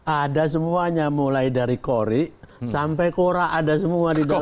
ada semuanya mulai dari kori sampai kora ada semua di dalam